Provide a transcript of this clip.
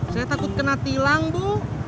saya takut kena tilang bu